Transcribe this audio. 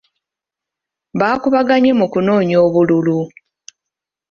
Baakubaganye mu kunoonya obululu.